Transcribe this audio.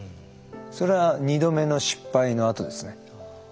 それは２度目の失敗のあとですね。